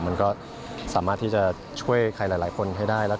มันก็สามารถที่จะช่วยใครหลายคนให้ได้